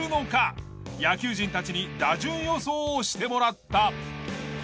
野球人たちに打順予想をしてもらった。